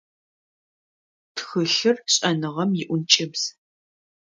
Тхылъыр - шӏэныгъэм иӏункӏыбз.